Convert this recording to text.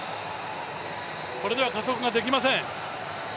これでは加速ができません。